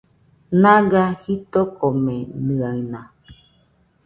Naga jitokomenɨaɨna